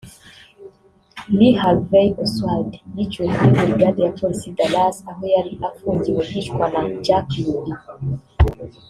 Lee Harvey Oswald yiciwe kuri burigade ya polisi ya Dallas aho yari afungiwe yicwa na Jack Ruby